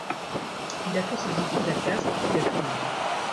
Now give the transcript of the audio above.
Il a fait ses études à Castres, puis à Toulouse.